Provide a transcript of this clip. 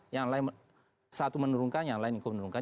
yang lain satu menurunkan yang lain ikut menurunkan